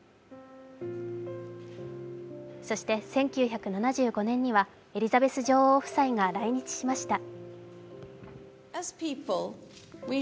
そして１９７５年にはエリザベス女王夫妻が来日しました。